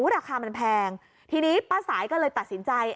ราคามันแพงทีนี้ป้าสายก็เลยตัดสินใจ